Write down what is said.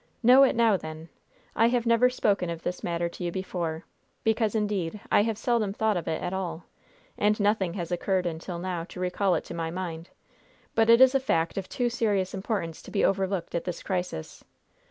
"Know it now, then! I have never spoken of this matter to you before; because, indeed, I have seldom thought of it at all, and nothing has occurred until now to recall it to my mind; but it is a fact of too serious importance to be overlooked at this crisis.